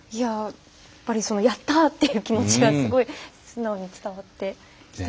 やっぱりやった！という気持ちがすごい素直に伝わってきて。